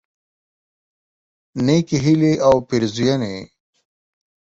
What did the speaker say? نیکی هیلی او پیرزوینی